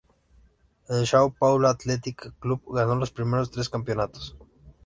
El São Paulo Athletic Club ganó los primeros tres campeonatos.